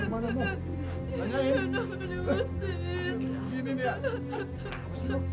apa sih ini kan jadi bener nangis